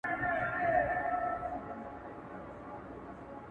جنازې دي چي ډېرېږي د خوارانو،